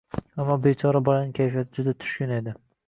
Ammo bechora bolaning kayfiyati juda tushkun edi